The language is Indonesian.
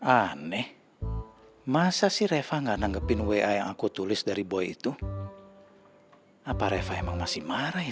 aneh masa sih reva nggak menanggapin wa yang aku tulis dari boy itu apa reva emang masih marah ya